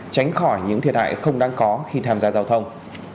tránh khỏi những thiệt hại không đáng có khi tham gia giao thông